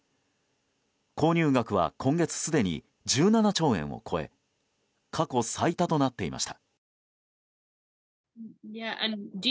購入額は今月すでに１７兆円を超え過去最多となっていました。